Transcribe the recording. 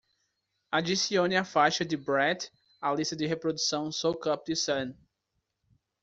Adicione a faixa da brat à lista de reprodução Soak Up The Sun.